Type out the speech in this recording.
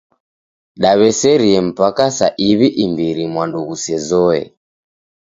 Daw'eserie mpaka saa iw'i imbiri mwandu ghusezoe.